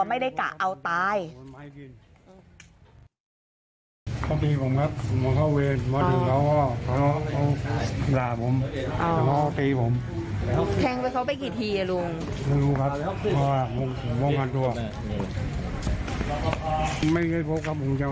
ไม่ได้กะเอาตาย